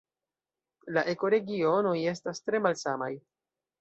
La ekoregionoj estas tre malsamaj.